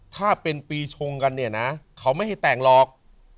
ถ้าเป็นปีชงกันเนี่ยนะเขาไม่ให้แต่งหรอก